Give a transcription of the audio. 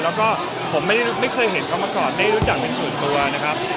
แล้วก็ผมไม่เคยเห็นเขามาก่อนไม่รู้จักเป็นส่วนตัวนะครับ